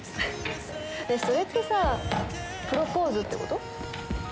それってさプロポーズってこと？